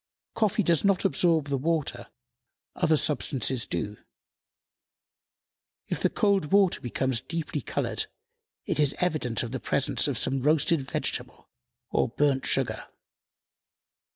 Coffee does not absorb the water; other substances do.... If the cold water becomes deeply colored, it is evidence of the presence of some roasted vegetable or burnt sugar.